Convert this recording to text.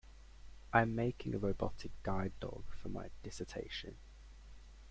I'm making a robotic guide dog for my dissertation.